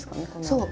そう。